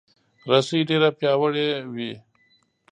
رسۍ ډیره پیاوړې وي.